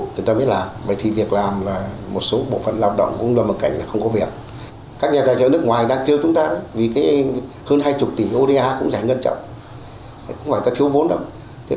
nhiều nước ngoài đang kêu chúng ta vì hơn hai mươi tỷ oda cũng giải ngân trọng không phải là thiếu vốn đâu